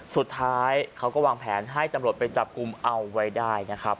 สุดท้ายเขาก็วางแผนให้ตำรวจไปจับกลุ่มเอาไว้ได้นะครับ